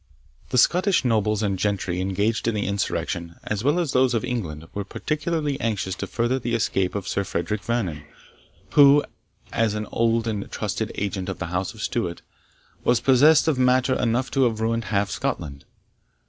The Scottish nobles and gentry engaged in the insurrection, as well as those of England, were particularly anxious to further the escape of Sir Frederick Vernon, who, as an old and trusted agent of the house of Stuart, was possessed of matter enough to have ruined half Scotland.